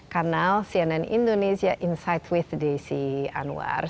kanal cnn indonesia insight with desi anwar